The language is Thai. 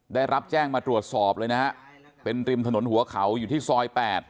ได้รับแจ้งมาตรวจสอบเลยนะฮะเป็นริมถนนหัวเขาอยู่ที่ซอย๘